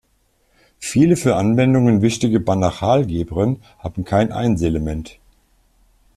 Viele für Anwendungen wichtige Banachalgebren haben kein Einselement.